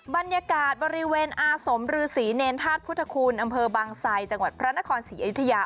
บรรยากาศบริเวณอาสมฤษีเนรธาตุพุทธคุณอำเภอบางไซจังหวัดพระนครศรีอยุธยา